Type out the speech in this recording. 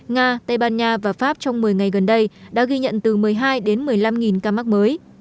nga tây ban nha và pháp trong một mươi ngày gần đây đã ghi nhận từ một mươi hai đến một mươi năm ca mắc mới